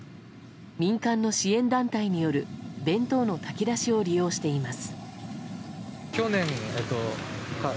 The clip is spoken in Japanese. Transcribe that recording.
民間の支援団体による弁当の炊き出しを利用しています。